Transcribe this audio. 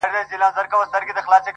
او د خپل زړه په تصور كي مي~